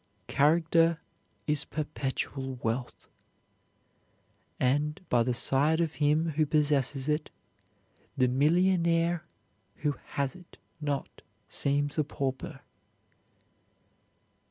Character is perpetual wealth, and by the side of him who possesses it the millionaire who has it not seems a pauper.